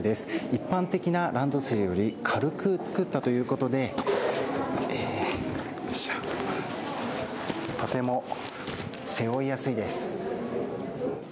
一般的なランドセルより軽く作ったということでとても背負いやすいです。